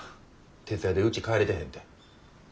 徹夜でうち帰れてへんて。